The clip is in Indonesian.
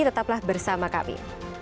tetaplah bersama kami